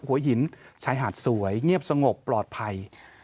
หัวหินชายหาดสวยเงียบสงบปลอดภัย